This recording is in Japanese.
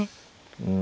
うん。